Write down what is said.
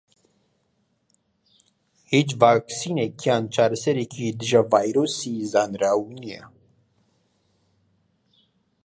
هیچ ڤاکسینێک یان چارەسەرێکی دژە ڤایرۆسی زانراو نیە.